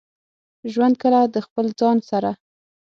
ژوند کله د خپل ځان سره.